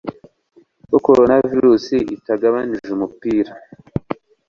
ko coronavirus itagabanije Umupira